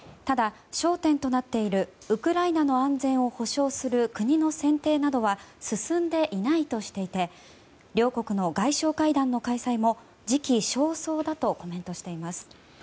ただ、焦点となっているウクライナの安全を保障する国の選定などは進んでいないとしていて両国の外相会談の開催も時期尚早だとコメントしています。